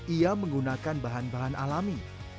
ia menggunakan bahan bahan alami